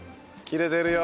切れてるよ。